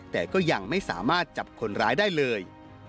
แต่ก็ยังไม่สามารถจับคนร้ายได้เลย